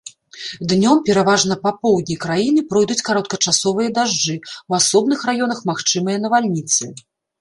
Днём пераважна па поўдні краіны пройдуць кароткачасовыя дажджы, у асобных раёнах магчымыя навальніцы.